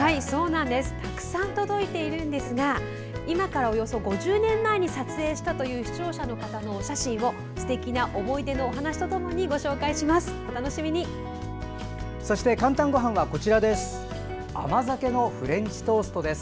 たくさん届いているんですが今からおよそ５０年前に撮影したという視聴者の方のお写真をすてきな思い出のお話とともにご紹介します。